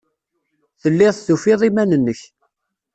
Telliḍ tufiḍ iman-nnek.